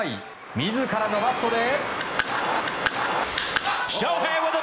自らのバットで。